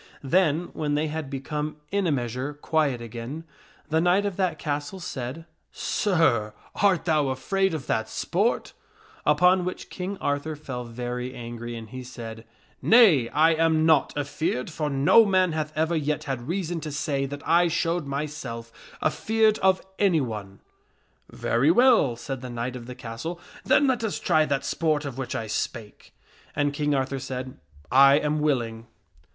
Then, when they had become in a measure quiet again, the knight of that castle said, " Sir, art thou afraid of that sport ?" Upon which King Arthur fell very angry and he said, " Nay, I am not afeared, for no man hath ever yet had reason to say that I showed my self afeared of anyone." " Very well," said the knight of the castle ;" then let us try that sport of which I spake." And King Arthur said, " I am willing."